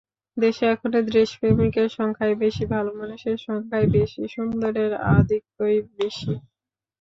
দেশে এখনো দেশপ্রেমিকের সংখ্যাই বেশি, ভালো মানুষের সংখ্যাই বেশি, সুন্দরের আধিক্যই বেশি।